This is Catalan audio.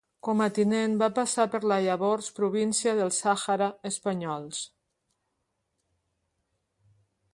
Com a tinent va passar per la llavors província del Sàhara Espanyol.